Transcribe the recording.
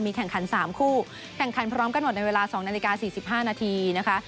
แข่งขัน๓คู่แข่งขันพร้อมกันหมดในเวลา๒นาฬิกา๔๕นาทีนะคะ